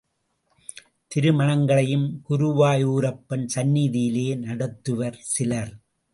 திருமணங்களையும் குருவாயூரப்பன் சந்நிதியிலேயே நடத்துவர் சிலர்.